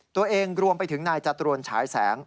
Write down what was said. ตัวเองรวมไปถึงนายจตรวนฉายแสง